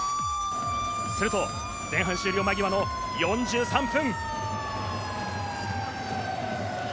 すると、前半終了間際の４３分。